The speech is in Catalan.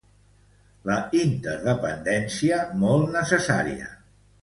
La interdependència molt necessària.